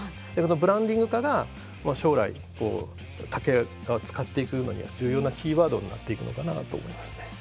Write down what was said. ブランディング化が将来竹を使っていくのには重要なキーワードになっていくのかなと思いますね。